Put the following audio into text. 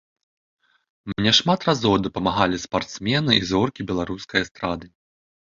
Мне шмат разоў дапамагалі спартсмены і зоркі беларускай эстрады.